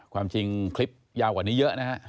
ความจริงคลิปยาวกว่านี้เยอะนะฮะ